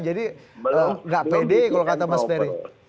jadi enggak pede kalau kata mas ferry